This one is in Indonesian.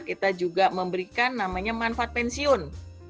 kita juga memberikan namanya manfaat pensiun